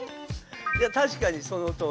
いやたしかにそのとおり。